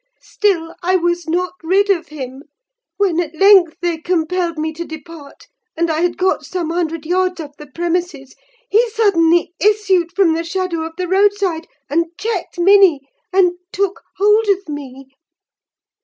Still, I was not rid of him: when at length they compelled me to depart, and I had got some hundred yards off the premises, he suddenly issued from the shadow of the road side, and checked Minny and took hold of me.